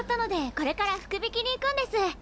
これから福引きに行くんです！